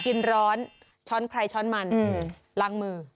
กินร้อนช้อนใครช้อนมันล้างมือ